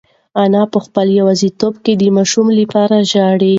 انا په خپله یوازیتوب کې د ماشوم لپاره ژاړي.